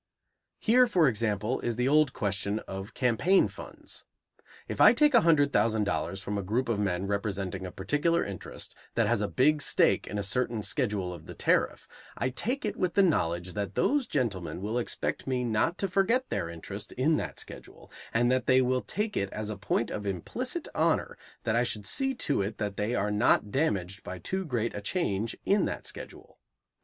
Here, for example, is the old question of campaign funds: If I take a hundred thousand dollars from a group of men representing a particular interest that has a big stake in a certain schedule of the tariff, I take it with the knowledge that those gentlemen will expect me not to forget their interest in that schedule, and that they will take it as a point of implicit honor that I should see to it that they are not damaged by too great a change in that schedule.